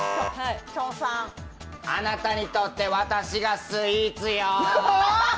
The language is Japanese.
あなたにとって私がスイーツよ。